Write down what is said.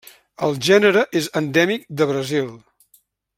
El gènere és endèmic de Brasil.